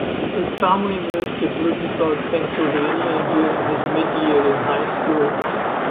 His family moved to Bloomsburg, Pennsylvania during his mid-year in high school.